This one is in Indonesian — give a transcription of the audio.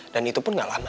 dan itu pun gak lama